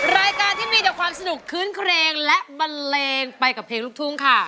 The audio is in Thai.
รายการที่มีแต่ความสนุกคืนเครงและบันเลงไปกับเพลงลูกทุ่งค่ะ